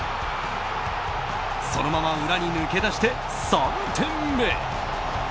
そのまま裏に抜けだして３点目。